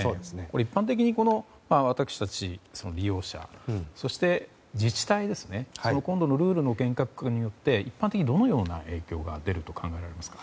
一般的に、私たち利用者そして自治体ですねルールの厳格化によって一般的にどのような影響が出ると考えられますか。